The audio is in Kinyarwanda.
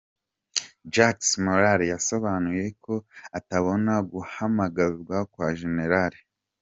Jacques Morel yasobanuye ko atabona guhamagazwa kwa Gen.